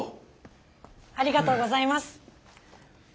ありがとうございます。